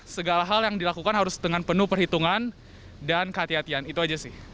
segala hal yang dilakukan harus dengan penuh perhitungan dan kehatian kehatian itu aja sih